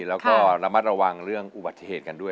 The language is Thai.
แล้วก็ระมัดระวังเรื่องอุบัติเหตุกันด้วย